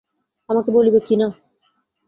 আমাকে বলিবে কি না।